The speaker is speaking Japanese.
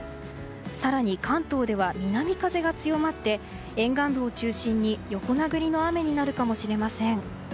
更に、関東では南風が強まって沿岸部を中心に横殴りの雨になるかもしれません。